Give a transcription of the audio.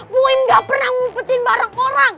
buem gak pernah ngumpetin barang orang